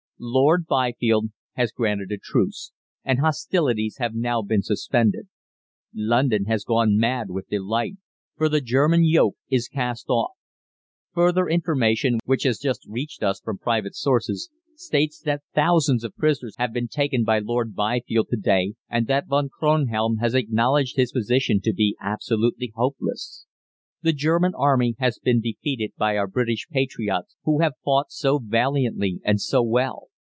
"Lord Byfield has granted a truce, and hostilities have now been suspended. "London has gone mad with delight, for the German yoke is cast off. Further information which has just reached us from private sources states that thousands of prisoners have been taken by Lord Byfield to day, and that Von Kronhelm has acknowledged his position to be absolutely hopeless. "The great German Army has been defeated by our British patriots, who have fought so valiantly and so well.